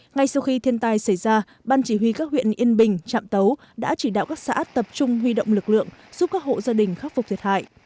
ngay sau khi thiên tai xảy ra ban chỉ huy các huyện yên bình trạm tấu đã chỉ đạo các xã tập trung huy động lực lượng giúp các hộ gia đình khắc phục thiệt hại